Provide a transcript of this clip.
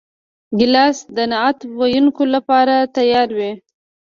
ګیلاس د نعت ویونکو لپاره تیار وي.